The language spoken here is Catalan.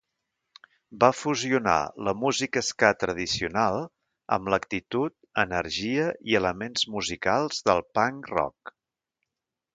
Va fusionar la música ska tradicional amb l'actitud, energia i elements musicals del punk rock.